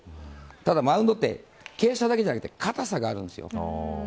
ただ、マウンドって傾斜だけじゃなくて硬さがあるんです。